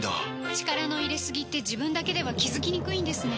力の入れすぎって自分だけでは気付きにくいんですね